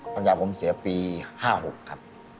ปัญญาผมเสียปี๕๖ครับ